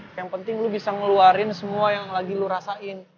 yang penting lo bisa ngeluarin semua yang lagi lo lakuin